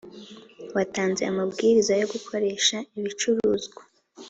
watanze amabwiriza yo gukoresha ibicuruzwa